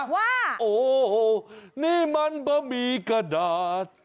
ว่าโอ้นี่มันบะหมี่กระดาษ